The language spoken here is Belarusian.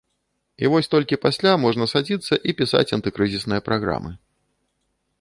І вось толькі пасля можна садзіцца і пісаць антыкрызісныя праграмы.